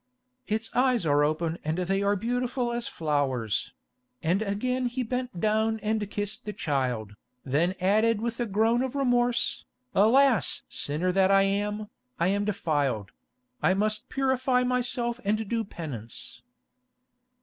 Its eyes are open and they are beautiful as flowers"; and again he bent down and kissed the child, then added with a groan of remorse, "Alas! sinner that I am, I am defiled; I must purify myself and do penance."